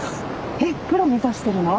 えっプロ目指してるの？